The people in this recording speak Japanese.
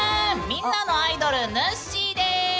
みんなのアイドルぬっしーです！